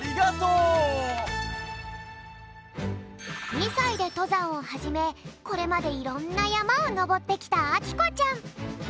２さいでとざんをはじめこれまでいろんなやまをのぼってきたあきこちゃん！